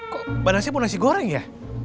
kok mbak nasi pun nasi goreng ya